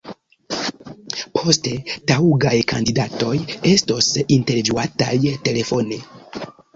Poste taŭgaj kandidatoj estos intervjuataj telefone.